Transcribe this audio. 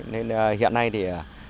nên hiện nay thì